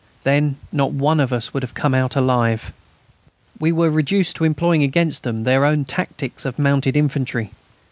Then not one of us would have come out alive. We were reduced to employing against them their own tactics of mounted infantry.